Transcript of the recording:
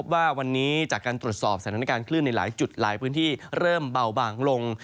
ว่าวันนี้จากการตรวจสอบสถานการณ์คลื่นในหลายจุดหลายพื้นที่เริ่มเบาบางลง